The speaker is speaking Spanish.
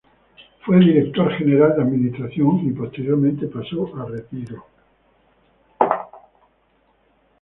Fue director general de administración y, posteriormente, pasó a retiro.